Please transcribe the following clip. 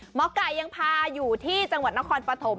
หมอไก่ยังพาอยู่ที่จังหวัดนครปฐม